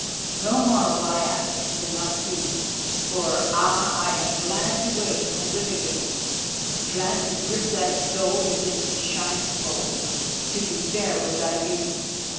No more will I ask than must be, for—ah!—I am glad to wake and live again; glad to grip thy soul within these shining folds, to be fair with thy beauty!